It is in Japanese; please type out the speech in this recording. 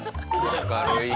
明るい。